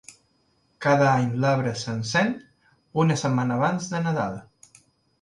Cada any l'arbre s'encén una setmana abans de Nadal.